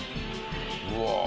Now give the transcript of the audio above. うわ。